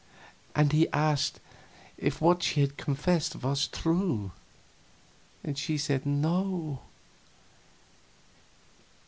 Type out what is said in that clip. And he asked if what she confessed was true, and she said no.